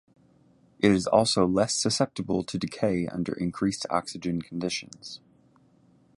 It is also less susceptible to decay under increased oxygen conditions.